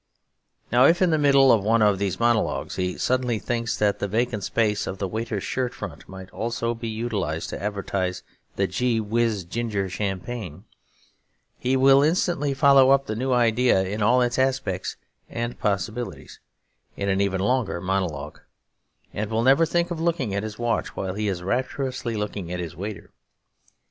Now if in the middle of one of these monologues, he suddenly thinks that the vacant space of the waiter's shirt front might also be utilised to advertise the Gee Whiz Ginger Champagne, he will instantly follow up the new idea in all its aspects and possibilities, in an even longer monologue; and will never think of looking at his watch while he is rapturously looking at his waiter.